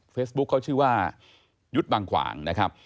เขาชื่อว่ายุทธ์บางขวางนะครับ